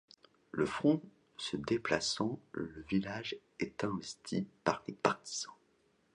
Le front se déplaçant, le village est investi par les partisans.